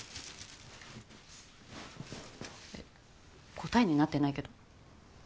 答えになってないけど。